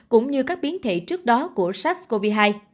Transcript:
cũng như các biến thể trước đó của sars cov hai